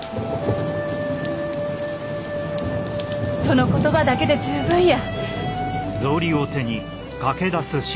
その言葉だけで十分や。